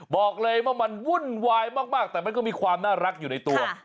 บอกเลยว่ามันวุ่นวายมากแต่มันก็มีความน่ารักอยู่ในตัว